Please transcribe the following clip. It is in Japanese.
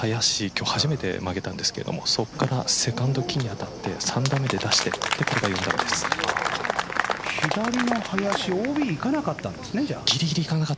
今日初めて曲げたんですけどそこからセカンド木に当たって３打目で出して左の林ぎりぎりいかなかったんです。